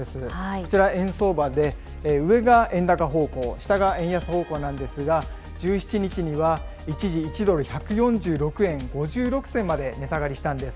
こちら、円相場で、上が円高方向、下が円安方向なんですが、１７日には一時１ドル１４６円５６銭まで値下がりしたんです。